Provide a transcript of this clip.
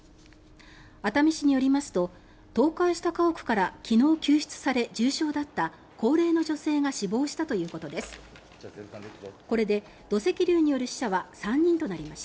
熱海市によりますと倒壊した家屋から昨日救出され重傷だった高齢者の女性が死亡したということです。